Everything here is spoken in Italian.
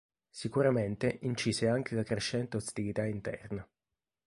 Sicuramente incise anche la crescente ostilità interna.